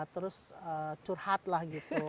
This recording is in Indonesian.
terus curhatlah gitu